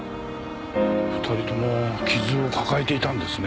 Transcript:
２人とも傷を抱えていたんですね。